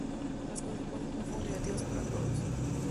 Las consecuencias no fueron negativas para todos.